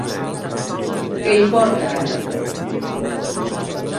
Què importa ara?